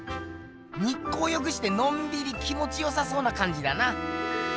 日光浴してのんびり気もちよさそうなかんじだな。